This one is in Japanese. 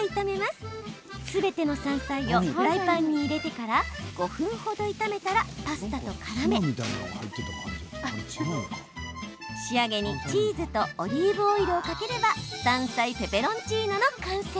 すべての山菜をフライパンに入れてから５分ほど炒めたらパスタとからめ仕上げに、チーズとオリーブオイルをかければ山菜ペペロンチーノの完成。